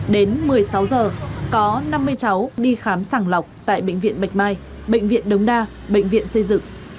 đến một mươi sáu giờ có năm mươi cháu đi khám sàng lọc tại bệnh viện bạch mai bệnh viện đống đa bệnh viện xây dựng